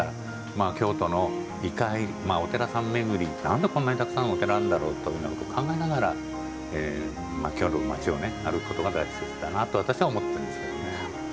京都の異界、お寺さん巡りなんでこんなたくさんお寺あるんだろう？というようなことを考えながら、京都の町を歩くことが大事だなと私は思ってますけどね。